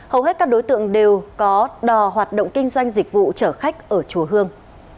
hầu hết các đối tượng đều có đò hoạt động kinh doanh dịch vụ chở khách ở chùa hương